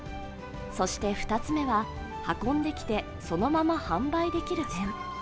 そして２つ目は、運んできてそのまま販売できる点。